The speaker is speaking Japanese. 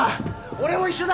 俺も一緒だ！